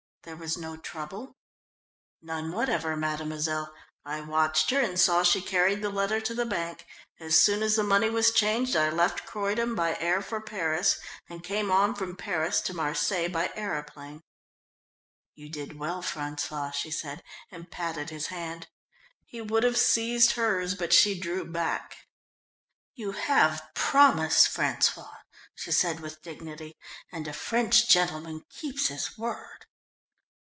"There was no trouble?" "None whatever, mademoiselle. I watched her, and saw she carried the letter to the bank. As soon as the money was changed I left Croydon by air for Paris, and came on from Paris to Marseilles by aeroplane." "You did well, François," she said, and patted his hand. He would have seized hers, but she drew back. "You have promised, François," she said with dignity, "and a French gentleman keeps his word."